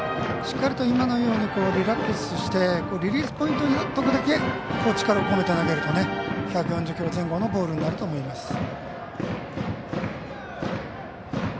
今のようにリラックスしてリリースポイントのときだけ力を込めて投げると１４０キロ前後のボールになると思います。